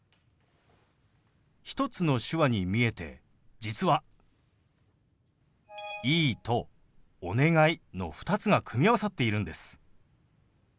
１つの手話に見えて実は「いい」と「お願い」の２つが組み合わさっているんです。